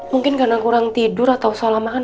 mungkin karena kurang tidur atau sholat makan